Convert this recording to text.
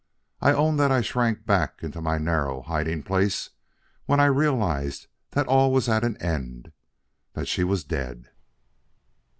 I own that I shrank back into my narrow hiding place when I realized that all was at an end that she was dead."